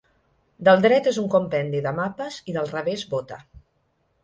Del dret és un compendi de mapes i del revés bota.